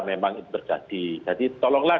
memang itu terjadi jadi tolonglah